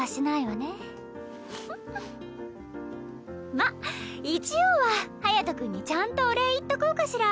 まっ一応は隼君にちゃんとお礼言っとこうかしら。